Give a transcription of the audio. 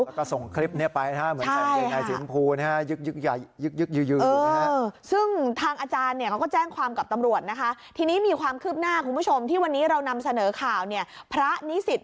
แล้วก็ส่งคลิปนี้ไปนะครับเหมือนแสงเกลียดไหนสินภูรณ์นะครับ